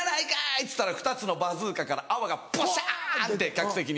っつったら２つのバズーカから泡がボシャン！って客席に。